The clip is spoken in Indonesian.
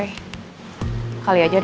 ini yang lebih inget